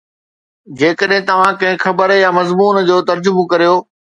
جيڪڏھن توھان ڪنھن خبر يا مضمون جو ترجمو ڪريو